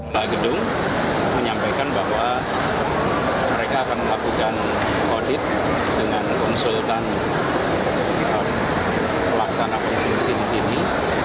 kepala gedung menyampaikan bahwa mereka akan melakukan audit dengan konsultan pelaksanaan konstruksi di sini